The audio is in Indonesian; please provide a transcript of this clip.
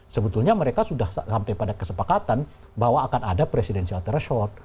sebetulnya mereka sudah sampai pada kesepakatan bahwa akan ada presidensial threshold